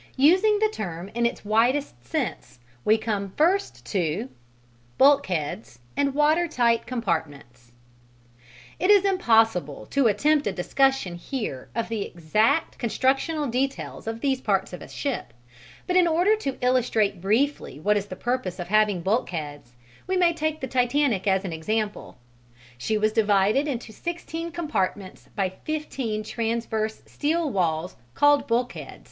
Using the term in its widest sense, we come first to: Bulkheads and water tight compartments It is impossible to attempt a discussion here of the exact constructional details of these parts of a ship; but in order to illustrate briefly what is the purpose of having bulkheads, we may take the Titanic as an example. She was divided into sixteen compartments by fifteen transverse steel walls called bulkheads.